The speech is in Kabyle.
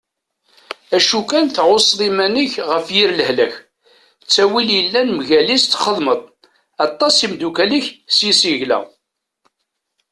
Cwi kan tεusseḍ iman-ik ɣef yir lehlak, ttawil yellan mgal-is txedmeḍ-t, aṭas imeddukal-ik yes-s yegla.